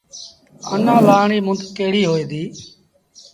آنآ لآهڻ ريٚ مند ڪهڙيٚ هوئي ديٚ۔